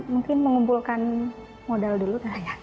mungkin mengumpulkan modal dulu